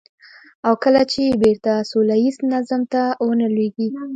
او کله چې بېرته سوله ييز نظم ته ونه لوېږي.